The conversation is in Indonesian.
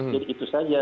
jadi itu saja